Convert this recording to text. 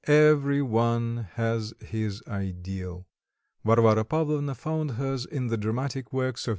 Every one has his ideal. Varvara Pavlovna found hers in the dramatic works of M.